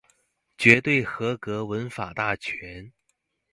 絕對合格文法大全